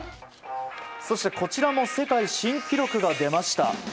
そして、こちらも世界新記録が出ました。